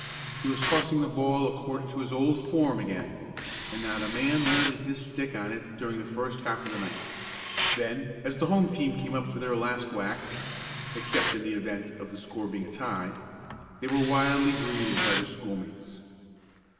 He was tossing the ball according to his old form again, and not a man landed his stick on it during the first half of the ninth. Then, as the home team came up for their last whacks (except in the event of the score being a tie), they were wildly greeted by their schoolmates.